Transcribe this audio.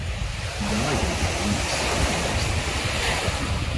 He died in Paris the next year.